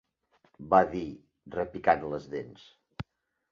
Va dir repicant les dents.